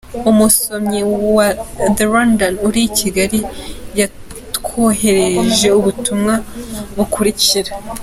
Umusomyi wa The Rwandan uri i Kigai yatwoherereje ubutumwa bukurikira: